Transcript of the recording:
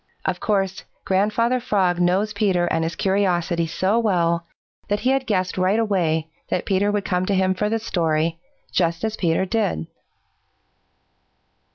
Of course, Grandfather Frog knows Peter and his curiosity so well that he had guessed right away that Peter would come to him for the story, just as Peter did.